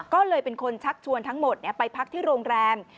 ก็เลยเป็นคนชักชวนทั้งหมดไปพักที่โรงแรม